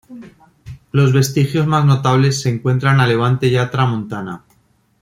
Los vestigios más notables se encuentran a levante ya tramontana.